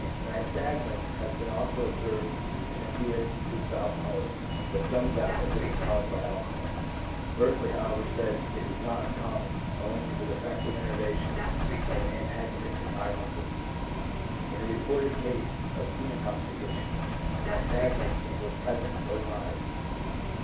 Nystagmus has been observed in a few instances of alcoholism, but some doubt if it was caused by alcohol; 2 Berkley, however, says it is not uncommon, owing to the defective enervation of antagonistic eye muscles. 3 In a reported case of tea intoxication 4 nystagmus was present in both eyes.